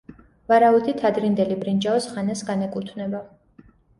ვარაუდით, ადრინდელი ბრინჯაოს ხანას განეკუთვნება.